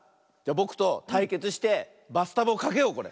ぼくとたいけつしてバスタブをかけようこれ。